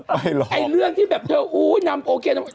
ในเรื่องที่แบบเธออูอี้นำโอเค